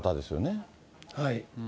はい。